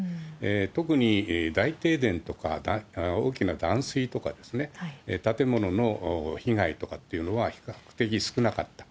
特に大停電とか大きな断水とかですね、建物の被害とかっていうのは比較的少なかった。